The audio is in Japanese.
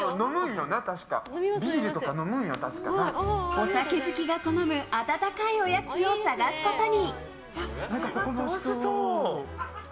お酒好きが好む温かいおやつを探すことに。